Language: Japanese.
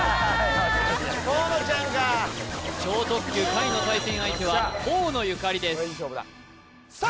河野ちゃんか超特急カイの対戦相手は河野ゆかりですさあ